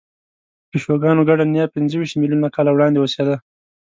د پیشوګانو ګډه نیا پنځهویشت میلیونه کاله وړاندې اوسېده.